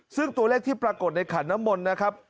ซึ่งตัวเลขที่ปรากฏในขันน้ำมนต์นะครับ